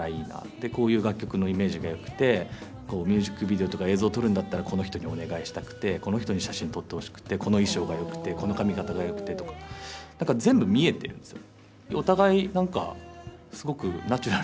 で、こういう楽曲のイメージがよくてミュージックビデオとか映像撮るんだったらこの人にお願いしたくてこの人に写真撮ってほしくてこの衣装がよくてこの髪形がよくてとか全部見えてるんですよ。